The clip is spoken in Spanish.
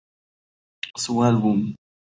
Su álbum.